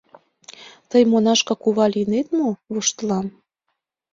— Тый монашка кува лийнет мо? — воштылам.